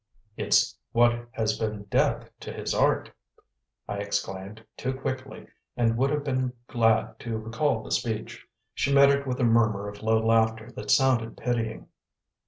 "It's what has been death to his art!" I exclaimed, too quickly and would have been glad to recall the speech. She met it with a murmur of low laughter that sounded pitying.